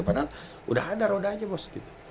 padahal udah ada roda aja bos gitu